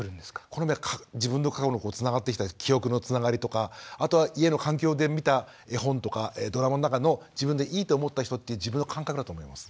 好みは自分の過去のつながってきた記憶のつながりとかあとは家の環境で見た絵本とかドラマの中の自分でいいと思った人っていう自分の感覚だと思います。